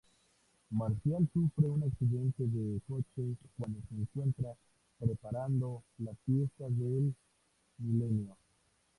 Marcial sufre un accidente de coche cuando se encuentra preparando la fiesta del milenio.